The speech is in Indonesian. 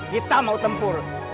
kita mau tembur